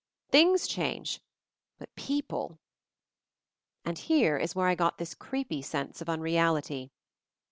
Things change, but people —" And here is where I got this creepy sense of unreality.